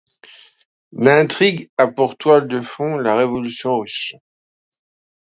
L'intrigue a pour toile de fond la Révolution russe.